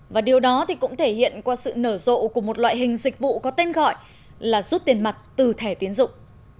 và điều đó thì cũng thể hiện qua sự nở rộ của một loại hình dịch vụ có tên gọi là rút tiền mặt từ thẻ tiến dụng